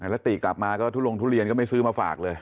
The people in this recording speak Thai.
แล้วติกลับมาก็ทุลงทุเรียนก็ไม่ซื้อมาฝากเลย